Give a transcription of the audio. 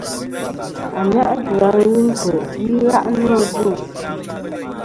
Ànyajua ghɨ ntè' i gha' nô ajuŋ.